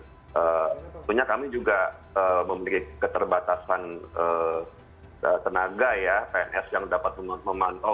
tentunya kami juga memiliki keterbatasan tenaga ya pns yang dapat memantau